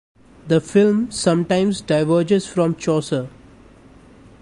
The film sometimes diverges from Chaucer.